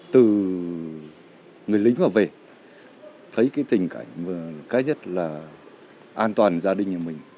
từ người lính mà về thấy cái tình cảnh cái nhất là an toàn gia đình nhà mình